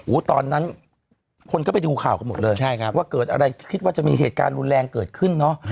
ตอนนั้นคนก็ไปดูข่าวกันหมดเลยใช่ครับว่าเกิดอะไรคิดว่าจะมีเหตุการณ์รุนแรงเกิดขึ้นเนอะ